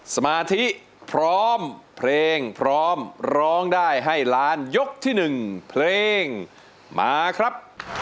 สมาธิพร้อมเพลงพร้อมร้องได้ให้ล้านยกที่๑เพลงมาครับ